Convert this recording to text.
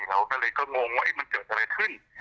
เราก็เลยก็งงว่ามันเกิดอะไรขึ้น